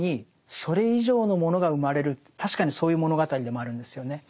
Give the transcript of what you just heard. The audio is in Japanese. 確かにそういう物語でもあるんですよね。